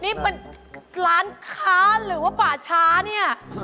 นี่เป็นร้านค้าหรือว่าป่าช้าเนี่ย